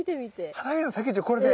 花びらの先っちょこれで。